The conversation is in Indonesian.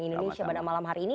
indonesia pada malam hari ini